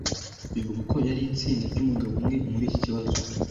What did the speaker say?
Bivugwa ko yari itsinda ryumugabo umwe muriki kibazo